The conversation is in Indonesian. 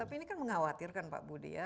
tapi ini kan mengkhawatirkan pak budi ya